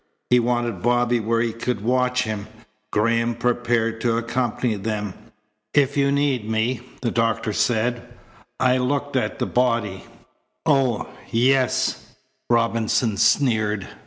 He wanted Bobby where he could watch him. Graham prepared to accompany them. "If you need me," the doctor said. "I looked at the body " "Oh, yes," Robinson sneered.